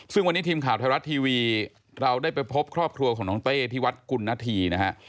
ซึ่งวันนี้ทีมข่าวไทยรัฐทีวีเราได้ไปพบครอบครัวของน้องเต้ที่วัดกุณฑีนะฮะ